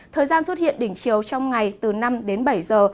thời gian xuất hiện đỉnh chiều trong ngày từ năm đến bảy giờ